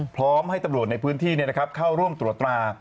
พร้อมให้ตำรวจในพื้นที่เข้าร่วมตรวจตรา